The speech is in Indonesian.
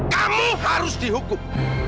kamu harus dihukum